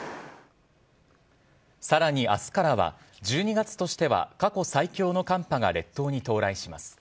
さらに明日からは１２月としては過去最強の寒波が列島に到来します。